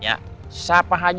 hai siapa padahal ga tau